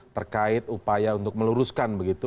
terkait upaya untuk meluruskan begitu